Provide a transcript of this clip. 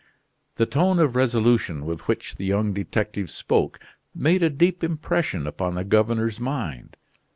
The tone of resolution with which the young detective spoke made a deep impression upon the governor's mind.